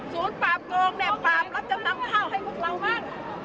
ปราบโกงเนี่ยปราบรับจำนำข้าวให้พวกเราบ้าง